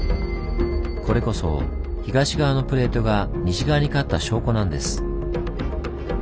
これこそ東側のプレートが西側に勝った証拠なんです。